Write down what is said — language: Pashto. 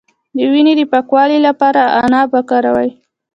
د وینې د پاکوالي لپاره عناب وکاروئ